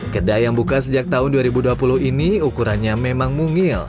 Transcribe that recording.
kedai yang buka sejak tahun dua ribu dua puluh ini ukurannya memang mungil